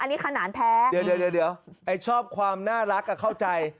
อันนี้ขนานแท้เดี๋ยวเดี๋ยวเดี๋ยวเดี๋ยวไอ้ชอบความน่ารักก็เข้าใจ